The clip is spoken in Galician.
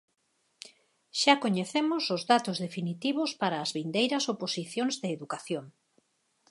Xa coñecemos os datos definitivos para as vindeiras oposicións de Educación.